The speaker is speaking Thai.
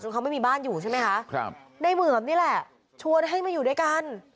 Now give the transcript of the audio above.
เขาไม่มีบ้านอยู่ใช่ไหมคะครับในเหมือมนี่แหละชวนให้มาอยู่ด้วยกัน